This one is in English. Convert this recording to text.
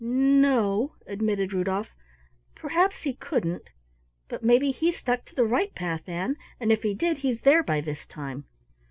"N no," admitted Rudolf. "Perhaps he couldn't, but maybe he stuck to the right path, Ann, and if he did he's there by this time."